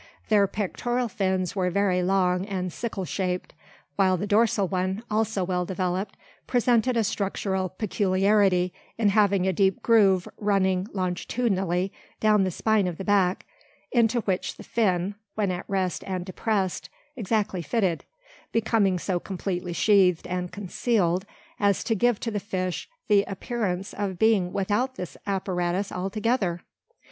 Their pectoral fins were very long and sickle shaped; while the dorsal one, also well developed, presented a structural peculiarity in having a deep groove running longitudinally down the spine of the back, into which the fin, when at rest and depressed, exactly fitted: becoming so completely sheathed and concealed, as to give to the fish the appearance of being without this apparatus altogether!